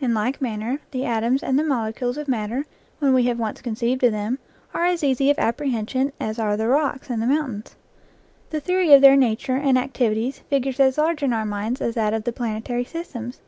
In like manner the atoms and the mole NEW GLEANINGS IN OLD FIELDS cules of matter, when we have once conceived of them, are as easy of apprehension as are the rocks and the mountains. The theory of their nature and activities figures as large in our minds as that of the planetary systems.